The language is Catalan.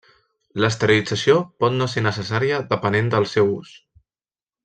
L'esterilització pot no ser necessària depenent del seu ús.